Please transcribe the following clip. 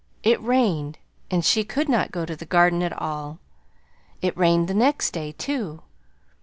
It rained, and she could not go to the Garden at all. It rained the next day, too.